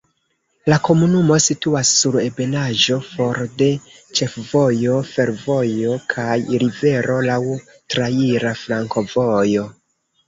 La komunumo situas sur ebenaĵo for de ĉefvojo, fervojo kaj rivero, laŭ traira flankovojo.